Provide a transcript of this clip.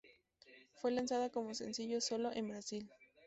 Fue lanzada como sencillo sólo en Brasil.